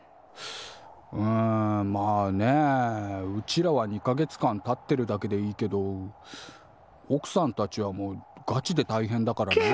うんまあねうちらは２か月間立ってるだけでいいけどおくさんたちはもうガチでたいへんだからね。